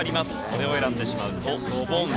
それを選んでしまうとドボン。